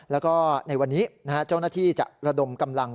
แล้วก็ในวันนี้เจ้าหน้าที่จะระดมกำลัง